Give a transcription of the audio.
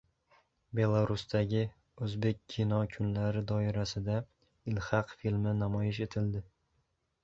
Belarusdagi “O‘zbek kino kunlari” doirasida “Ilhaq” filmi namoyish etildi